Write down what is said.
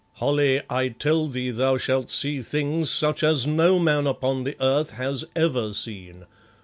"Holly, I tell thee thou shalt see things such as no man upon the earth has ever seen.